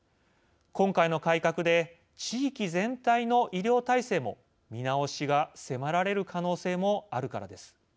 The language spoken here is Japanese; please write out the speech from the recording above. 今回の改革で地域全体の医療体制も見直しが迫られる可能性もあるからです。